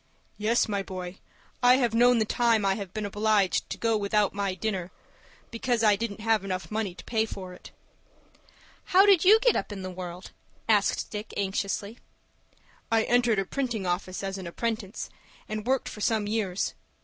"Yes, my boy, I have known the time I have been obliged to go without my dinner because I didn't have enough money to pay for it." "How did you get up in the world," asked Dick, anxiously. "I entered a printing office as an apprentice, and worked for some years.